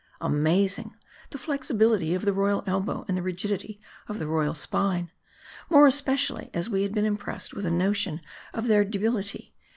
Amazing ! the flexibility of the royal elbow, and the rigid ity of the royal spine ! More especially as we had been im pressed with a notion of their debility.